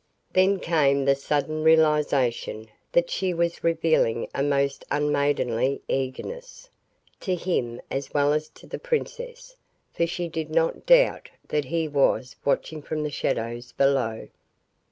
Then came the sudden realization that she was revealing a most unmaidenly eagerness, to him as well as to the princess, for she did not doubt that he was watching from the shadows below.